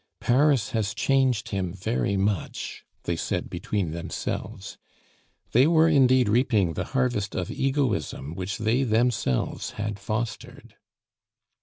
"Paris has changed him very much," they said between themselves. They were indeed reaping the harvest of egoism which they themselves had fostered.